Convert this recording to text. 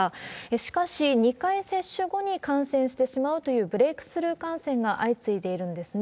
しかし、２回接種後に感染してしまうというブレークスルー感染が相次いでいるんですね。